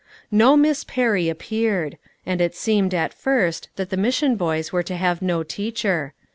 No Miss Perry appeared; and it seemed, at first, that the mission boys were to have no teacher.